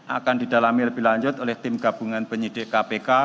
akan didalami lebih lanjut oleh tim gabungan penyidik kpk